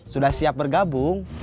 sudah siap bergabung